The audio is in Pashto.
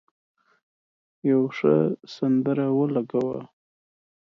یو ښه سندره ولګوه.